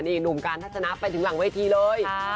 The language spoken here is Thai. นี่หนุ่มการทัศนะไปถึงหลังเวทีเลย